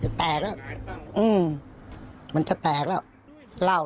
จะแตกแล้วมันจะแตกแล้ว